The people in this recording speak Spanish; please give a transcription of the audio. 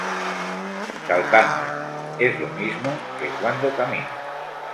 Saltando: Es lo mismo que cuando camina.